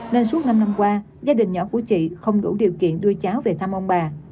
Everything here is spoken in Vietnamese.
nên suốt năm năm qua gia đình nhỏ của chị không đủ điều kiện đưa cháu về thăm ông bà